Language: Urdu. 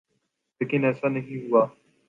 لیکن ایسا نہیں ہوا۔